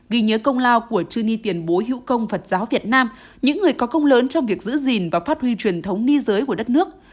ghi nhớ công lao của chư ni tiền bối hữu công phật giáo việt nam những người có công lớn trong việc giữ gìn và phát huy truyền thống ni giới của đất nước